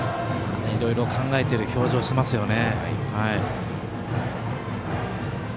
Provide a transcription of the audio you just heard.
いろいろ考えている表情をしていますよね。